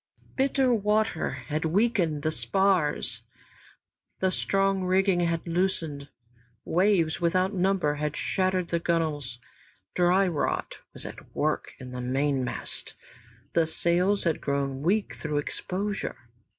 Bitter water had weakened the spars, the strong rigging had loosened, waves without number had shattered the gunwales, dry rot was at work in the mainmast, the sails had grown weak through exposure.